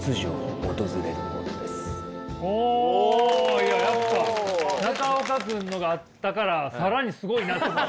いややっぱ中岡君のがあったから更にすごいなと。